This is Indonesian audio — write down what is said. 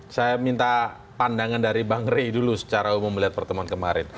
saya minta pandangan dari bang rey dulu secara umum melihat pertemuan kemarin